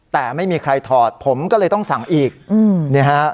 แต่ไม่มีใครถอดผมก็เลยต้องสั่งอีกนี่ฮะ